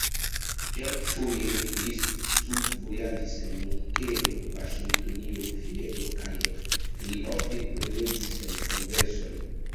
Kelkfoje li studvojaĝis en Munkeno, Vaŝingtonio, Vieno kaj li ofte prelegis en kongresoj.